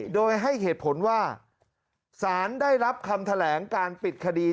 โดยให้เหตุผลว่าสารได้รับคำแถลงการปิดคดี